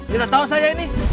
tidak tahu saya ini